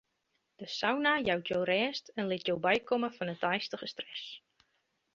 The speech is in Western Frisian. De sauna jout jo rêst en lit jo bykomme fan de deistige stress.